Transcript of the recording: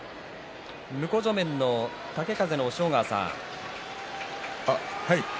向正面の豪風の押尾川さん